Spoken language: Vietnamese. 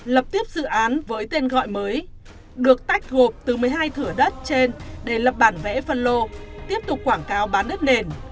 lập tiếp dự án với tên gọi mới được tách thuộc từ một mươi hai thửa đất trên để lập bản vẽ phân lô tiếp tục quảng cáo bán đất nền